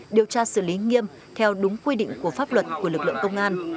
điều tra xử lý nghiêm theo đúng quy định của pháp luật của lực lượng công an